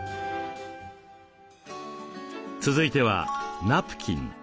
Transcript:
続いてはナプキン。